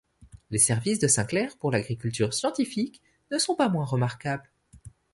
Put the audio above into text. Les services de Sinclair pour l'agriculture scientifique ne sont pas moins remarquables.